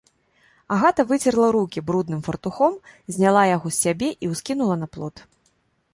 Агата выцерла рукі брудным фартухом, зняла яго з сябе і ўскінула на плот.